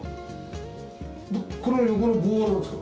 これ横の棒はなんですか？